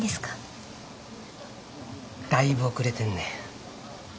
だいぶ遅れてんねん。